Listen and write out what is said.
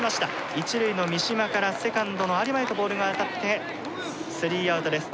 一塁の美島からセカンドの有馬へとボールが渡ってスリーアウトです」。